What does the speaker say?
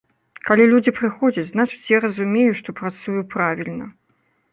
Калі людзі прыходзяць, значыць я разумею, што працую правільна.